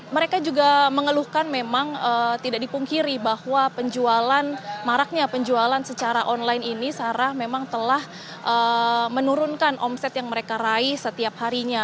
mereka juga mengeluhkan memang tidak dipungkiri bahwa penjualan maraknya penjualan secara online ini sarah memang telah menurunkan omset yang mereka raih setiap harinya